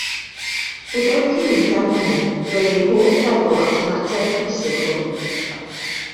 Gadewch i ni gan hynny droi ein holl feddwl ar y mater pwysig hwn.